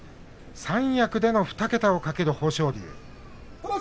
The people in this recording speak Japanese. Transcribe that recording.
三役での２桁を懸ける豊昇龍。